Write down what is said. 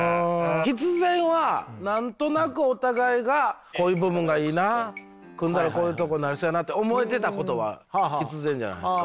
必然は何となくお互いがこういう部分がいいな組んだらこういうとこなりそうやなって思えてたことは必然じゃないすか。